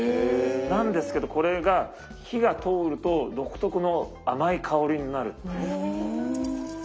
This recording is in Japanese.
なんですけどこれが火が通ると独特の甘い香りになる。